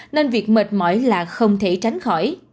nên việc mệt mỏi là không thể tránh khỏi